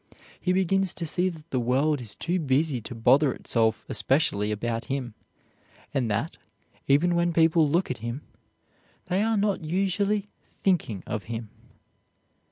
He begins to see that the world is too busy to bother itself especially about him, and that, even when people look at him, they are not usually thinking of him.